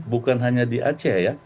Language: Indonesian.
bukan hanya di aceh ya